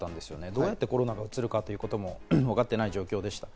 どうやってコロナがうつるかということも分かっていない状況でした。